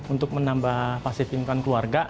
untuk menambah pasifimkan keluarga